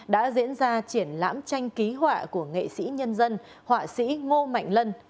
đã diễn ra triển lãm tranh ký họa của nghệ sĩ nhân dân họa sĩ ngô mạnh lân